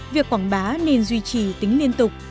việc quảng bá nên duy trì tính liên tục